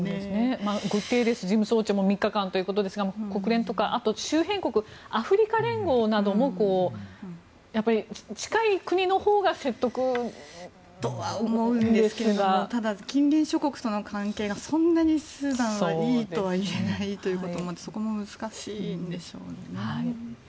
グテーレス事務総長も３日間ということですが周辺国アフリカ連合などもとは思うんですがただ、近隣諸国との関係がそんなにスーダンはいいとは言えないということもそこも難しいんでしょうね。